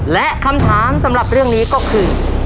และคำถามสำหรับเรื่องนี้ก็คือ